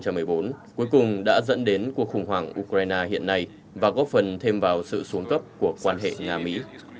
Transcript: cuối cùng đã dẫn đến cuộc khủng hoảng ukraine hiện nay và góp phần thêm vào sự xuống cấp của quan hệ nga mỹ